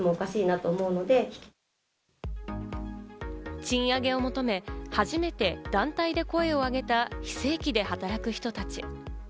賃上げを求め、初めて団体で声をあげた非正規で働く人たち。